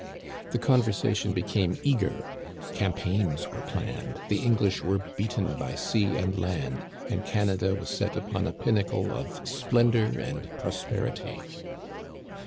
The conversation became eager. Campaigns were were planned, the English were beaten by sea and land, and Canada was set upon a pinnacle of splendor and prosperity.